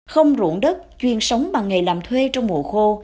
không rụng đất chuyên sống bằng nghề làm thuê trong mùa khô